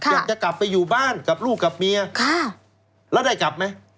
อยากจะกลับไปอยู่บ้านกับลูกกับเมียแล้วได้กลับไหม